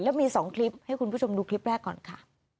แล้วมี๒คลิปให้คุณผู้ชมดูคลิปแรกก่อนค่ะ